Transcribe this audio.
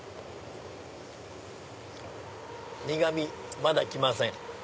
苦味まだ来ません。